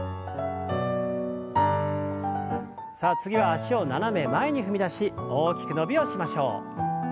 さあ次は脚を斜め前に踏み出し大きく伸びをしましょう。